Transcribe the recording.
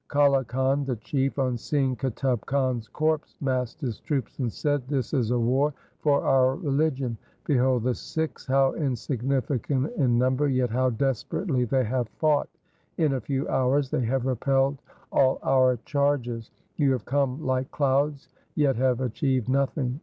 Kale Khan the chief, on seeing Qutub Khan's corpse, massed his troops and said, ' This is a war for our religion. Behold the Sikhs — how insignificant in number, yet how desperately they have fought ! In a few hours they have repelled all our charges. You have come like clouds, yet have achieved nothing.